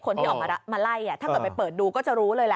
คนที่ออกมาไล่ถ้าเกิดไปเปิดดูก็จะรู้เลยล่ะ